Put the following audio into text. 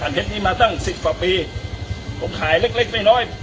เท็จนี้มาตั้งสิบกว่าปีผมขายเล็กเล็กน้อย